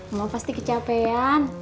emang pasti kecapean